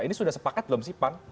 ini sudah sepakat belum sih pan